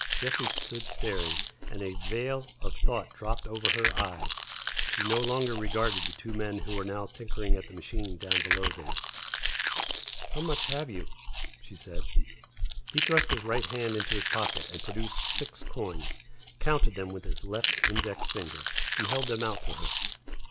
Jessie stood staring, and a veil of thought dropped over her eyes. She no longer regarded the two men who were now tinkering at the machine down below there. "How much have you?" she said. He thrust his right hand into his pocket and produced six coins, counted them with his left index finger, and held them out to her.